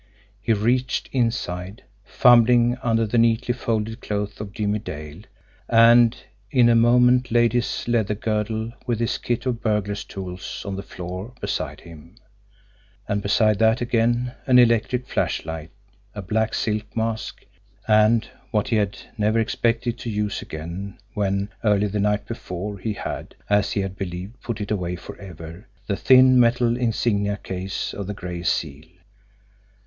He reached inside, fumbling under the neatly folded clothes of Jimmie Dale, and in a moment laid his leather girdle with its kit of burglar's tools on the floor beside him; and beside that again an electric flashlight, a black silk mask, and what he had never expected to use again when, early the night before, he had, as he had believed, put it away forever the thin, metal insignia case of the Gray Seal.